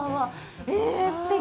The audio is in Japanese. え、すてき。